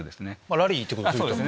ラリーってことですね。